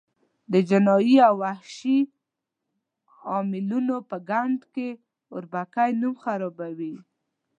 د جنایي او وحشي عملونو په ګند کې اربکي نوم خرابوي.